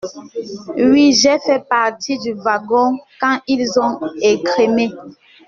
Oui, j’ai fait partie du wagon quand ils ont écrémé.